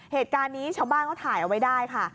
เหตุการณ์นี้ชาวบ้านเขาถ่ายเอาไว้ได้ค่ะ